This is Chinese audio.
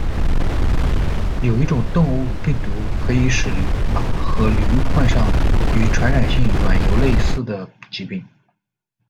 有一种动物病毒可以使马和驴患上与传染性软疣类似的疾病。